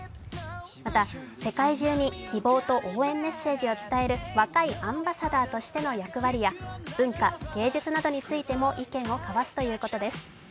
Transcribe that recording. また世界中に希望と応援メッセージを伝える若いアンバサダーとしての役割や文科・芸術などについても意見を交わすということです。